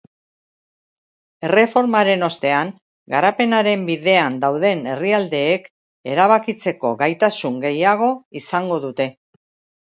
Erreformaren ostean, garapenaren bidean dauden herrialdeek erabakitzeko gaitasun gehiago izango dute.